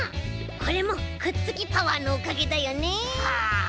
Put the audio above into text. これもくっつきパワーのおかげだよね。